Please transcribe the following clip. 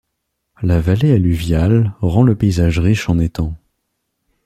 La vallée alluviale rend le paysage riche en étangs.